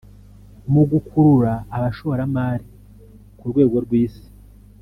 mu gukurura abashoramari ku rwego rw’isi